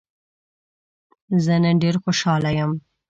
زه نن ډېر خوشحاله يم.